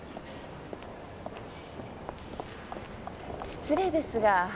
失礼ですが。